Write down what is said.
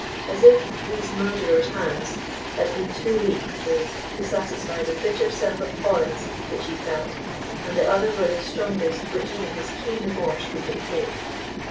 As if "these murderer's hands" had been too weak a phrase to satisfy the bitter self abhorrence which he felt, and the other were the strongest which even his keen remorse could dictate.